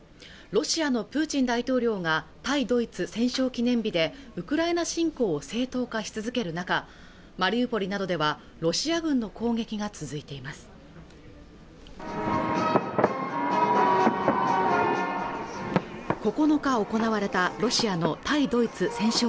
ロシアのプーチン大統領が対ドイツ戦勝記念日でウクライナ侵攻を正当化し続ける中マリウポリなどではロシア軍の攻撃が続いています９日行われたロシアの対ドイツ戦勝